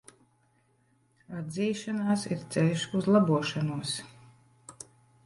Atzīšanās ir ceļš uz labošanos.